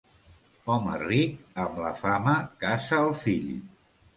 Home ric, amb la fama casa el fill.